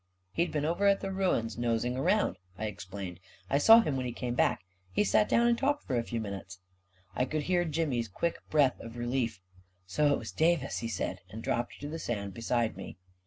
" He'd been over af the ruins nosing around," I explained. " I saw him when he came back. He sat down and talked for a few minutes." I could hear Jimmy's quick breath of relief. A KING IN BABYLON 233 II So it was Davis," he said, and dropped to the sand beside me.